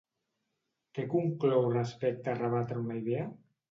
Què conclou respecte a rebatre una idea?